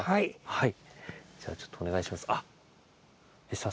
はい。